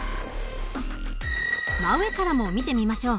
真上からも見てみましょう。